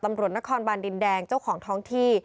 ตำรวจนครบานดินแดงเจ้าของท้องที่